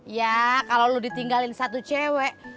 ya kalau lo ditinggalin satu cewek